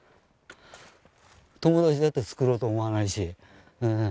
友達だってつくろうと思わないし。